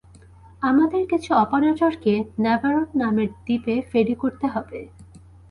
আমাদের কিছু অপারেটরকে ন্যাভারোন নামের দ্বীপে ফেরি করতে হবে।